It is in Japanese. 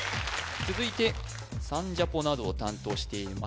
続いて「サンジャポ」などを担当しています